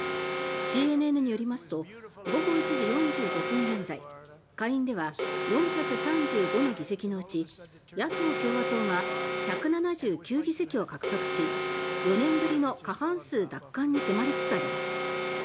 ＣＮＮによりますと午後１時４５分現在下院では４３５の議席のうち野党・共和党が１７９議席を獲得し４年ぶりの過半数の奪還に迫りつつあります。